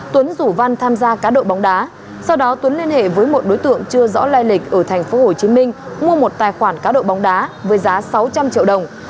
tuấn rủ văn tham gia cá độ bóng đá sau đó tuấn liên hệ với một đối tượng chưa rõ lai lịch ở tp hcm mua một tài khoản cá độ bóng đá với giá sáu trăm linh triệu đồng